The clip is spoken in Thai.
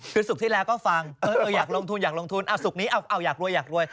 คือศุกร์ที่แล้วก็ฟังอยากลงทุนอยากลงทุนศุกร์นี้อยากรวยอยากรวย